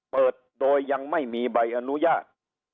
เปิดโดยยังไม่มีใบอนุญาต